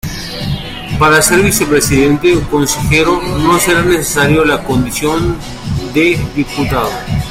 Para ser vicepresidente o consejero no será necesaria la condición de diputado.